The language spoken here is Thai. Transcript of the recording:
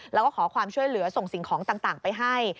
แล้วก็ขอความช่วยเหลือส่งสิ่งของต่างไปให้